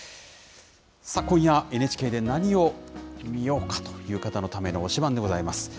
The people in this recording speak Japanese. さあ、今夜はＮＨＫで何を見ようかという方のための推しバンでございます。